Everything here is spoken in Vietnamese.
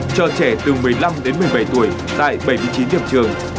cho trẻ từ một mươi năm đến một mươi bảy tuổi tại bảy mươi chín điểm trường